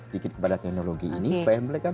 sedikit kepada teknologi ini supaya mereka